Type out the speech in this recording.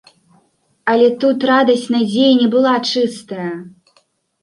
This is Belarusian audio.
Але тут радасць надзеі не была чыстая.